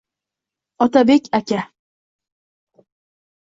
Otabek aka